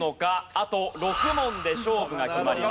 あと６問で勝負が決まります。